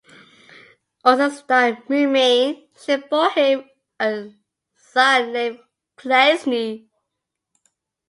Also styled Mumain, she bore him a son named Glaisne.